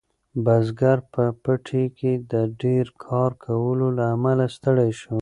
بزګر په پټي کې د ډیر کار کولو له امله ستړی شو.